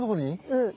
うん。